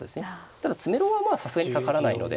ただ詰めろはさすがにかからないので。